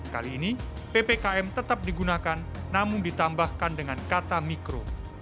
kali ini ppkm tetap digunakan namun ditambahkan dengan kata mikro